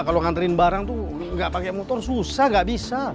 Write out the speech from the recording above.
kalau nganterin barang tuh nggak pakai motor susah nggak bisa